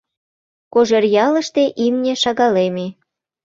Кожеръялыште имне шагалеме.